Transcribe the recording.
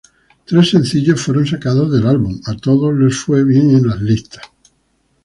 Tres sencillos fueron sacados del álbum.—a todos les fue bien en listas.